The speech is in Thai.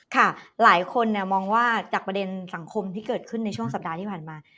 ค่ะหลายคนมองว่าจากประเด็นสังคมที่เกิดขึ้นในช่วงสัปดาห์ที่ผ่านมา